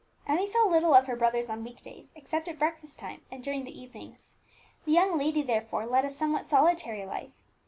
Emmie saw little of her brothers on week days, except at breakfast time, and during the evenings; the young lady, therefore, led a somewhat solitary life.